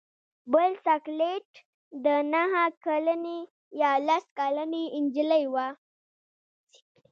بل سکلیټ د نهه کلنې یا لس کلنې نجلۍ و.